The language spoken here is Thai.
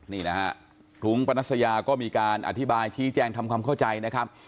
นี่นะฮะพรุ้งปนัสยาก็มีการอธิบายชี้แจงทำความเข้าใจนะครับ